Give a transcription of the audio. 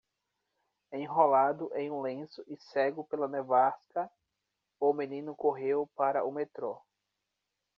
Enrolado em um lenço e cego pela nevasca, o menino correu para o metrô.